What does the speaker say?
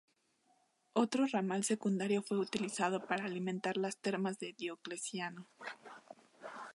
Otro ramal secundario fue utilizado para alimentar las Termas de Diocleciano.